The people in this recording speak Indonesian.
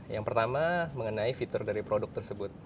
yang pertama mengenai fitur dari produk tersebut